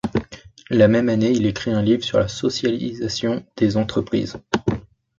La même année, il écrit un livre sur la socialisation des entreprises.